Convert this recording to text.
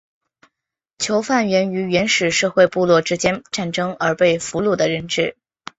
囚犯源于原始社会部落之间战争而被俘虏的人质。